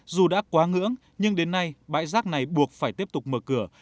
dù đã quá ngưỡng nhưng đến nay bãi rác này buộc phải tiếp tục mở cửa